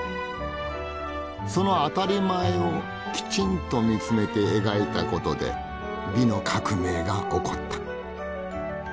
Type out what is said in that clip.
その当たり前をきちんと見つめて描いたことで「美の革命」が起こった。